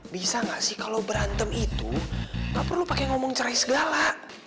bisa nggak sih kalau berantem itu gak perlu pakai ngomong cerai segala